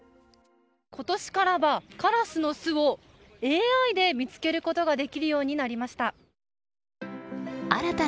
今年からはカラスの巣をＡＩで見つけることができるようになりました。